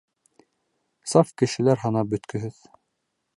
Саф кешеләр һанап бөткөһөҙ.